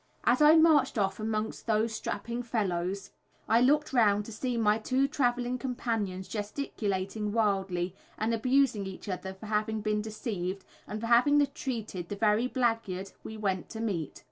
As I marched off amongst those strapping fellows, I looked round to see my two travelling companions gesticulating wildly, and abusing each other for having been deceived, and for having treated "the very blagyard we went to meet."